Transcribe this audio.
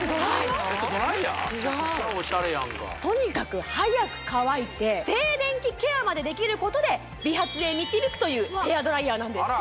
めちゃくちゃおしゃれやんかとにかくはやく乾いて静電気ケアまでできることで美髪へ導くというヘアドライヤーなんです